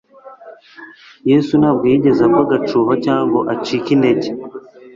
Yesu ntabwo yigeze agwa agacuho cyangwa ngo acike intege: